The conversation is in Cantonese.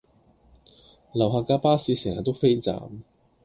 樓下架巴士成日都飛站